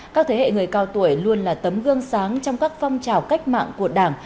các thế hệ người cao tuổi luôn là tấm gương sáng trong các phong trào cách mạng của đảng